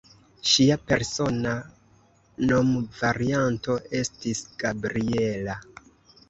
Ŝia persona nomvarianto estis "Gabriella".